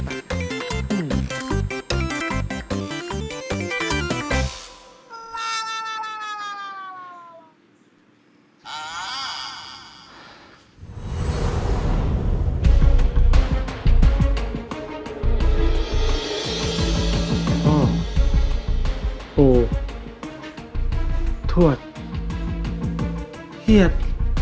พ่อปูถวดเหียจ